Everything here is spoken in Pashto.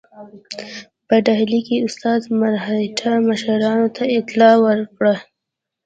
په ډهلي کې استازي مرهټه مشرانو ته اطلاع ورکړه.